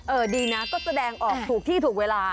ดีนะก็แสดงออกถูกที่ถูกเวลา